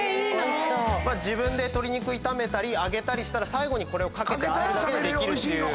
鶏肉炒めたり揚げたりしたら最後にこれを掛けてあえるだけでできるっていう。